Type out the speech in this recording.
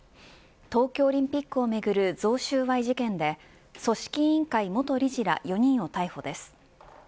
東京オリンピックをめぐる贈収賄事件で組織委員会元理事ら４人を逮捕です。